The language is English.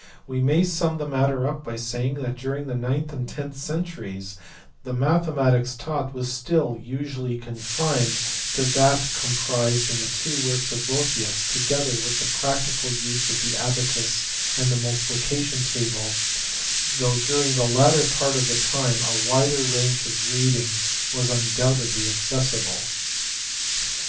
We may sum the matter up by saying that during the ninth and tenth centuries the mathematics taught was still usually confined to that comprised in the two works of Boethiua together with the practical use of the abacus and 140 THE RISE OF LEARNING IN WESTERN EUROPE. the multiplication table, though during the latter part of the time a wider range of reading was undoubtedly accessible.